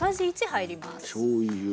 しょうゆ。